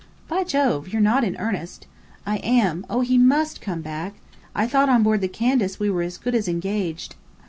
"By Jove! You're not in earnest?" "I am. Oh, he must come back! I thought on board the Candace we were as good as engaged.